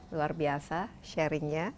luar biasa sharingnya